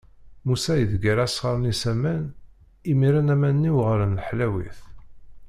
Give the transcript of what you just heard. Musa iḍegger asɣar-nni s aman, imiren aman-nni uɣalen ḥlawit.